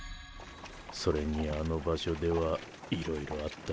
それにあの場所ではいろいろあった。